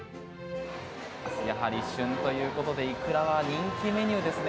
やはり旬ということでイクラは人気メニューですね。